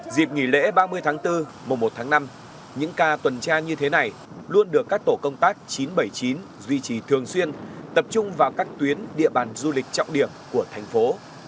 dịp nghỉ lễ ba mươi tháng bốn mùa một tháng năm những ca tuần tra như thế này luôn được các tổ công tác chín trăm bảy mươi chín duy trì thường xuyên tập trung vào các tuyến địa bàn du lịch trọng điểm của thành phố